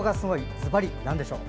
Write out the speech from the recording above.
ずばり、何でしょう？